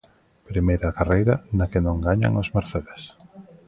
Primeira carreira na que non gañan os Mercedes.